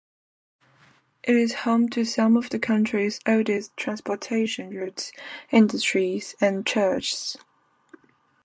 It is home to some of the county's oldest transportation routes, industries and churches.